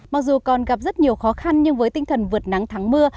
mặc dù còn gặp rất nhiều khó khăn nhưng với tinh thần vượt nắng thắng mưa